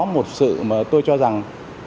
một sự mà tôi cho rằng